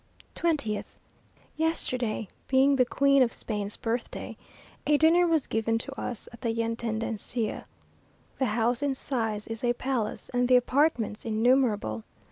20th. Yesterday being the Queen of Spain's birthday, a dinner was given to us at the Yntendencia. The house in size is a palace, and the apartments innumerable.